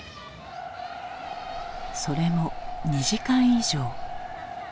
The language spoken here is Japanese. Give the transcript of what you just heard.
それも２時間以上。